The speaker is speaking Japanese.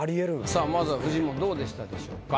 さあまずはフジモンどうでしたでしょうか？